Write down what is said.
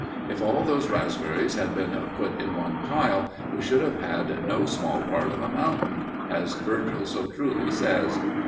If all those raspberries had been put in one pile, we should have had "no small part of a mountain," as Virgil so truly says.